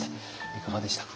いかがでしたか？